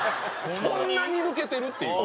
そんなに抜けてる？っていう。